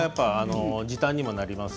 時短になります。